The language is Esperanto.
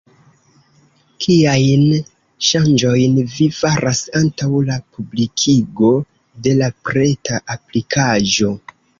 Kiajn ŝanĝojn vi faras antaŭ la publikigo de la preta aplikaĵo?